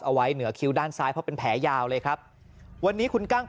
เอาไว้เหนือคิ้วด้านซ้ายพอเป็น